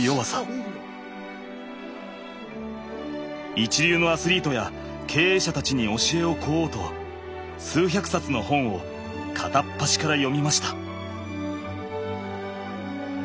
一流のアスリートや経営者たちに教えを請おうと数百冊の本を片っ端から読みました。